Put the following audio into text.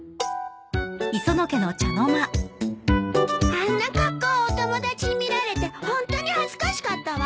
あんな格好お友達に見られてホントに恥ずかしかったわ！